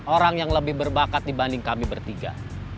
orang yang lebih berbakat dibanding kami bertiga